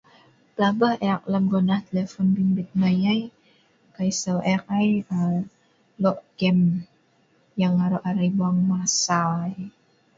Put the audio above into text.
Pelabeh ek lem gonah telephon bimbit nai ai, kai seu' ek ai aa lo gem yang aro' arai buang masa ai.